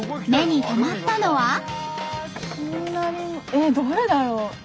えっどれだろう？